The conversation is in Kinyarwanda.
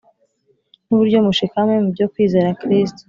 n’uburyo mushikamye mu byo kwizera Kristo